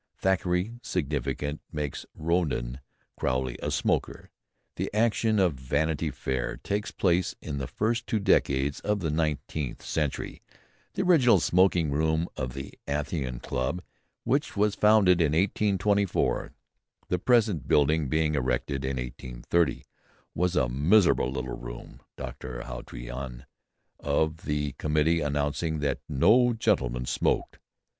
Thackeray significantly makes Rawdon Crawley a smoker the action of "Vanity Fair" takes place in the first two decades of the nineteenth century. The original smoking room of the Athenæum Club, which was founded in 1824, the present building being erected in 1830, was a miserable little room, Dr. Hawtree, on behalf of the committee, announcing that "no gentleman smoked."